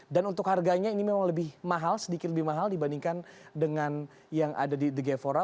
dan untuk harganya ini memang lebih mahal sedikit lebih mahal dibandingkan dengan yang ada di the gevora